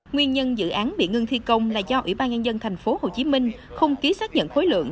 nguyên nhân dự án bị ngưng thi công là do ủy ban nhân dân tp hcm không ký xác nhận khối lượng